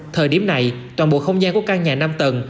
thời điểm này toàn bộ không gian của căn nhà năm tầng